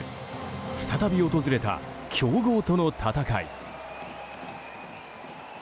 再び訪れた強豪との戦い。